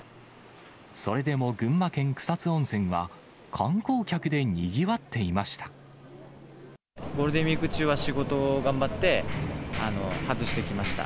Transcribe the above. それでも群馬県草津温泉は、観光客でにぎわっていました。